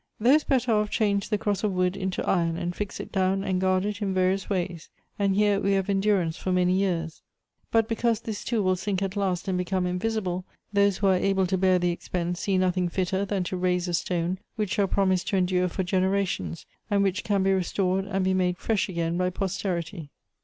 Those better off change the cross of wood into iron, and fix it down and guard it in various ways ; and here we have endurance lor many years. But because this too will sink at last and become invisible, those who are able to bear the expense see nothing fitter than to raise a stone which shall promise to endure for generations, and which can be restored and be made fresh again by posterity.